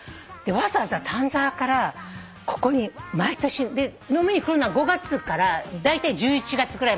わざわざ丹沢からここに毎年。で飲みに来るのは５月からだいたい１１月ぐらいまでで終わる。